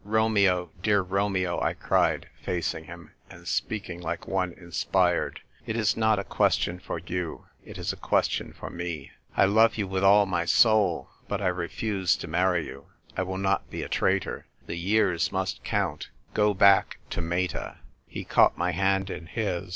" Romeo, dear Romeo," I cried, facing him, and speaking like one inspired, "it is not a question for you; it is a question for me. I love you with all my soul; but I refuse to marry you. I will not be a traitor ; the years must count : go back to Meta !" He caught my hand in his.